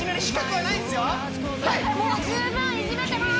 はいもう十分いじめてます